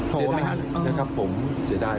เสียดายนะครับผมเสียดาย